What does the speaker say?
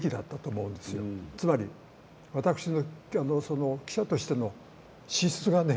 つまり私の記者としての資質がね